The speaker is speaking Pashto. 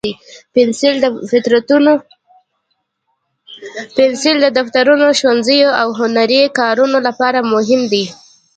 پنسل د دفترونو، ښوونځیو، او هنري کارونو لپاره مهم دی.